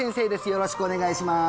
よろしくお願いします